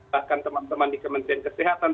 bahkan teman teman di kementerian kesehatan